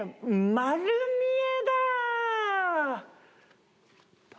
『まる見え！』